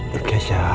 mari boleh sah